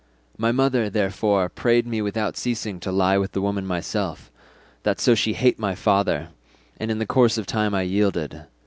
My mother, therefore, prayed me without ceasing to lie with the woman myself, that so she hate my father, and in the course of time I yielded.